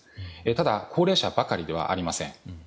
ただ、高齢者ばかりではありません。